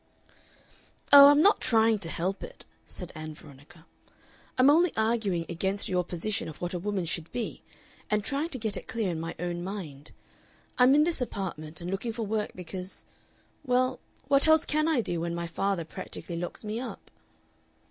"Oh, I'm not trying to help it," said Ann Veronica. "I'm only arguing against your position of what a woman should be, and trying to get it clear in my own mind. I'm in this apartment and looking for work because Well, what else can I do, when my father practically locks me up?"